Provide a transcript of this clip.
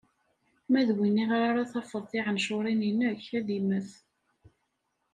Ma d win iɣer ara tafeḍ tiɛencuṛin-ik, ad immet!